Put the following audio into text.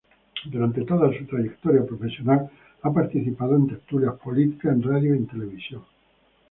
Durante toda su trayectoria profesional ha participado en tertulias políticas en radio y televisión.